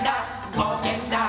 ぼうけんだ！